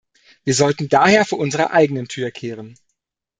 Wir sollten daher vor unserer eigenen Tür kehren.